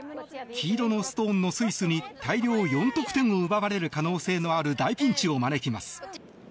黄色のストーンのスイスに大量４得点を奪われる可能性のある大ピンチを招きます。